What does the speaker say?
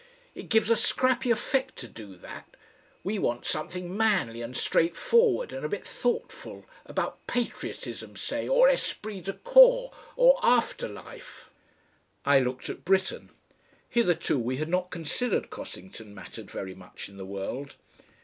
It gives a scrappy effect to do that. We want something manly and straightforward and a bit thoughtful, about Patriotism, say, or ESPRIT DE CORPS, or After Life." I looked at Britten. Hitherto we had not considered Cossington mattered very much in the world.